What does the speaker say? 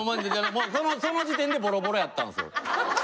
もうもうその時点でボロボロやったんですよ。ハハハ！